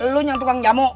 lu nyang tukang jamuk